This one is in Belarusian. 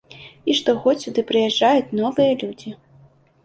І штогод сюды прыязджаюць новыя людзі.